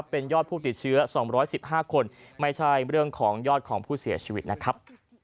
เป็นยอดผู้ติดเชื้อ๒๑๕คนไม่ใช่เรื่องของยอดของผู้เสียชีวิตนะครับ